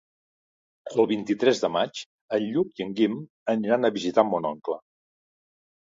El vint-i-tres de maig en Lluc i en Guim aniran a visitar mon oncle.